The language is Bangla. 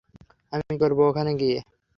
আমি কি করবো ওখানে গিয়ে?